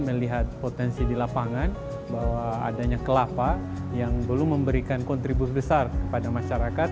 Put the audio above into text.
melihat potensi di lapangan bahwa adanya kelapa yang belum memberikan kontribusi besar kepada masyarakat